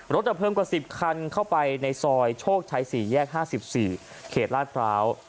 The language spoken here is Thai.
ดับเพลิงกว่า๑๐คันเข้าไปในซอยโชคชัย๔แยก๕๔เขตลาดพร้าว